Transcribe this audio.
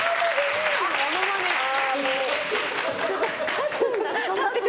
立つんだ。